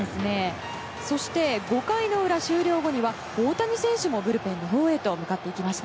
そして５回の裏終了後には大谷選手もブルペンのほうへと向かっていきました。